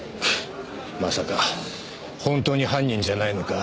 まさか本当に犯人じゃないのか？